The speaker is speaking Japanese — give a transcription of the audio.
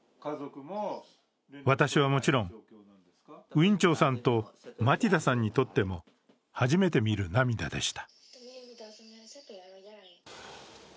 私はもちろん、ウィン・チョウさんとマティダさんにとっても初めて見る涙でした。